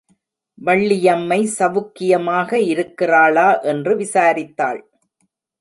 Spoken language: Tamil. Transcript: வள்ளியம்மை சவுக்கியமாக இருக்கிறாளா என்று விசாரித்தாள்.